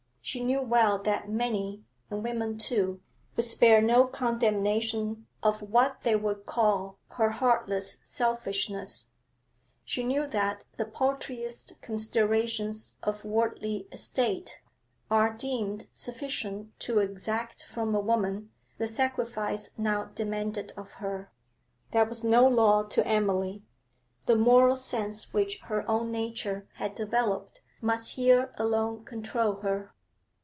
She knew well that many, and women too, would spare no condemnation of what they would call her heartless selfishness; she knew that the paltriest considerations of worldly estate are deemed sufficient to exact from a woman the sacrifice now demanded of her. That was no law to Emily. The moral sense which her own nature had developed must here alone control her.